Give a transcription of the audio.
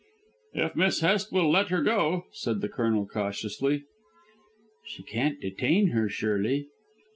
"If Miss Hest will let her go," said the Colonel cautiously. "She can't detain her, surely."